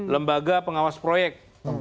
lembaga pengawas proyek